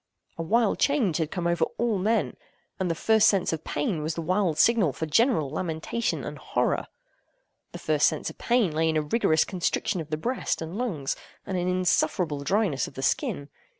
A wild change had come over all men; and the first sense of pain was the wild signal for general lamentation and horror. This first sense of pain lay in a rigorous constriction of the breast and lungs, and an insufferable dryness of the skin.